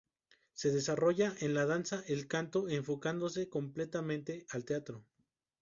Se desarrolla en la danza, el canto, enfocándose completamente al teatro.